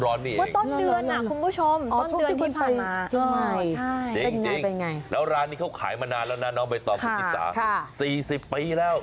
เมื่อต้นเดือนคุณผู้ชมต้นเดือนที่ผ่านมาแล้วร้านนี้เขาขายมานานแล้วนะน้องใบตองคุณชิสา๔๐ปีแล้ว